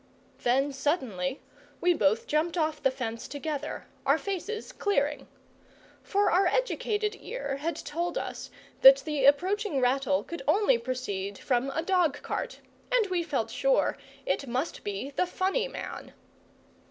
Then suddenly we both jumped off the fence together, our faces clearing. For our educated ear had told us that the approaching rattle could only proceed from a dog cart, and we felt sure it must be the funny man.